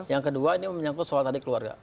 yang kedua ini menyangkut soal tadi keluarga